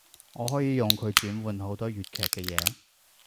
我可以用佢轉換好多粵劇嘅嘢